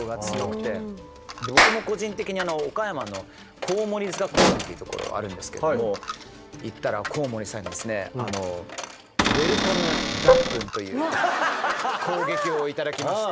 僕も個人的に岡山のこうもり塚古墳っていうところがあるんですけども行ったらコウモリさんにですねという攻撃を頂きまして。